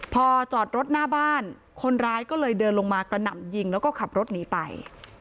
พอจอดรถหน้าบ้านคนร้ายก็เลยเดินลงมากระหน่ำยิงแล้วก็ขับรถหนีไป